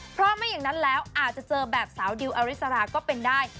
เพราะไม่อย่างนั้นแล้วอาจจะเจอแบบสาวดิวอริสราก็เป็นได้